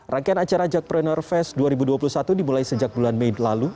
rangkaian acara jackpreneur fest dua ribu dua puluh satu dimulai sejak bulan mei lalu